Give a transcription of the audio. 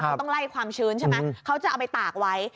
เขาต้องไล่ความชื้นใช่ไหมเขาจะเอาไปตากไว้